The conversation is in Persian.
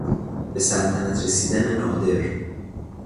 به سلطنت رسیدن نادر